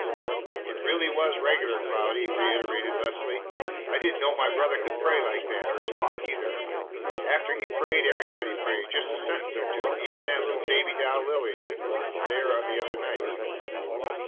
"It really was regular, Cloudy," reiterated Leslie. "I didn't know my brother could pray like that, or talk, either. After he prayed everybody prayed, just a sentence or two, even that little baby doll Lila that was here the other night.